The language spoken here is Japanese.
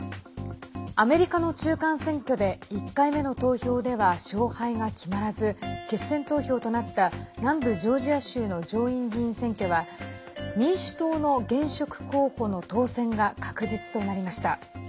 アメリカの中間選挙で１回目の投票では勝敗が決まらず決選投票となった南部ジョージア州の上院議員選挙は民主党の現職候補の当選が確実となりました。